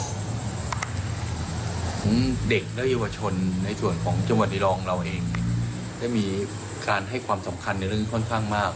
ของเด็กและเยาวชนในส่วนของจังหวัดดีรองเราเองได้มีการให้ความสำคัญในเรื่องค่อนข้างมาก